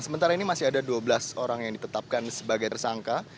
sementara ini masih ada dua belas orang yang ditetapkan sebagai tersangka